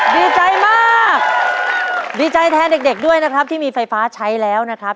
ดีใจมากดีใจแทนเด็กด้วยนะครับที่มีไฟฟ้าใช้แล้วนะครับ